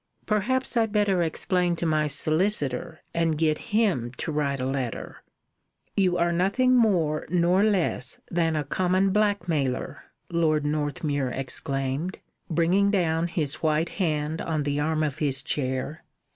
"Perhaps I'd better explain to my solicitor, and get him to write a letter " "You are nothing more nor less than a common blackmailer," Lord Northmuir exclaimed, bringing down his white hand on the arm of his chair.